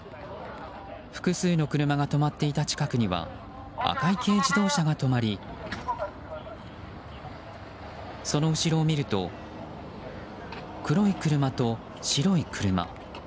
複数の車が止まっていた近くには赤い軽自動車が止まりその後ろを見ると黒い車と白い車。